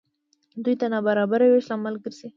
دوی د نابرابره وېش لامل ګرځي.